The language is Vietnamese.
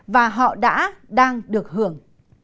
và họ đã đang được hưởng